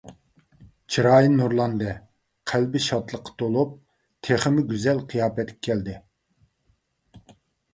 چىرايى نۇرلاندى، قەلبى شادلىققا تولۇپ، تېخىمۇ گۈزەل قىياپەتكە كەلدى.